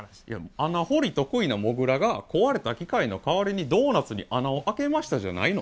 穴掘り得意なモグラが壊れた機械の替わりにドーナツに穴をあけましたじゃないの？